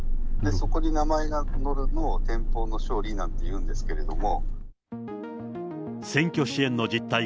そこに名前が載るのを、天寶の勝利なんていうんですけれども。